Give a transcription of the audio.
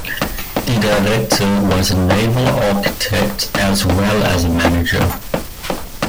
The Director was a naval architect as well as a manager.